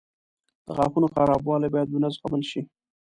• د غاښونو خرابوالی باید ونه زغمل شي.